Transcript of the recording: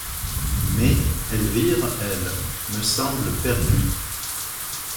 Mais, Elvire, elle, me semble perdue.